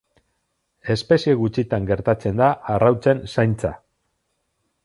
Espezie gutxitan gertatzen da arrautzen zaintza.